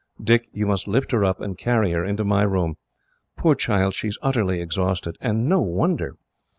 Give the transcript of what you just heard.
"Dick, you must lift her up, and carry her into my room. Poor child, she is utterly exhausted, and no wonder."